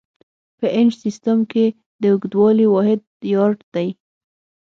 په انچ سیسټم کې د اوږدوالي واحد یارډ دی.